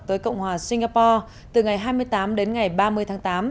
tới cộng hòa singapore từ ngày hai mươi tám đến ngày ba mươi tháng tám